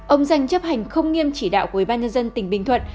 ông danh chấp hành không nghiêm chỉ đạo của ủy ban nhân dân tỉnh bình thuận